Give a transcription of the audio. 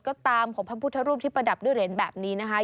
ก็ตามของพระพุทธรูปที่ประดับด้วยเหรียญแบบนี้นะคะ